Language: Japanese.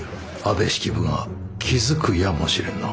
安部式部が気付くやもしれぬな。